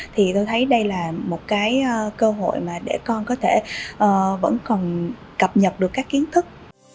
thì tôi thấy đây là một cái cơ hội mà để con có thể vẫn còn cập nhật được các kiến thức